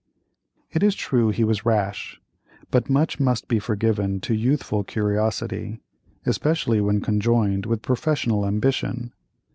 It is true he was rash, but much must be forgiven to youthful curiosity, especially when conjoined with professional ambition.